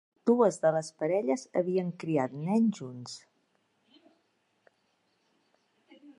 Dues de les parelles havien criat nens junts.